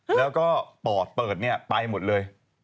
แล้วก็ปอนด์เปิดไปหมดเลย